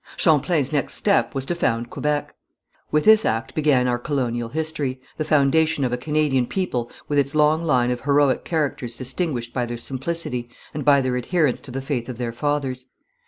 Champlain's next step was to found Quebec. With this act began our colonial history, the foundation of a Canadian people with its long line of heroic characters distinguished by their simplicity and by their adherence to the faith of their fathers.